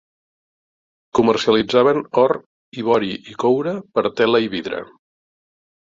Comercialitzaven or, ivori i coure per tela i vidre.